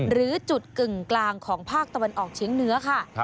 หรือจุดกึ่งกลางของภาคตะวันออกเชียงเหนือค่ะ